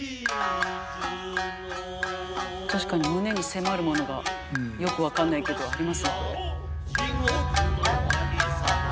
確かに胸に迫るものがよく分かんないけどありますねこれ。